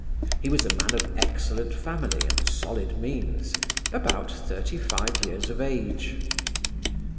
He was a man of excellent family and solid means, about thirty five years of age.